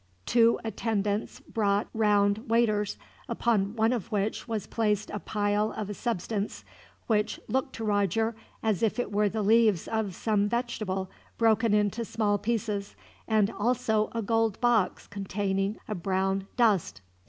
Two attendants brought round waiters, upon one of which was placed a pile of a substance which looked to Roger as if it were the leaves of some vegetable, broken into small pieces, and also a gold box containing a brown dust.